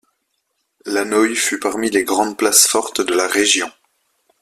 Lannoy fut parmi les grandes places fortes de la région.